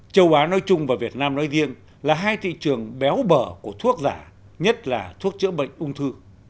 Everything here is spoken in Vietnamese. châu á nói chung và việt nam nói riêng là hai thị trường béo bở của thuốc giả nhất là thuốc chữa bệnh ung thư